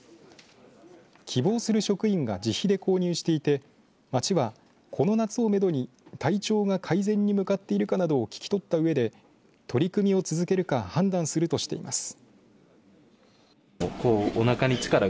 希望する職員が自費で購入していて町はこの夏をめどに体調が改善に向かっているかなどを聞き取ったうえで取り組みを続けるか判断するとしています。